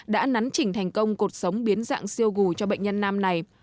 đã nắn chỉnh thành công cột sống biến dạng siêu gù cho bệnh nhân nam này